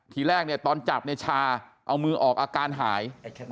ทีแรกเนี่ยตอนจับเนี่ยชาเอามือออกอาการหาย